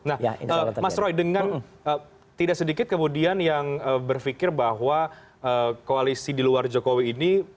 nah mas roy dengan tidak sedikit kemudian yang berpikir bahwa koalisi di luar jokowi ini